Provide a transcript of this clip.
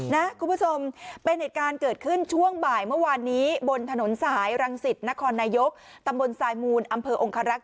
นะคุณผู้ชมเป็นเหตุการณ์เกิดขึ้นช่วงบ่ายเมื่อวานนี้บนถนนสายรังสิตนครนายกตำบลสายมูลอำเภอองคารักษ